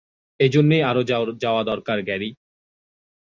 এজন্যই আরো যাওয়া দরকার, গ্যারি।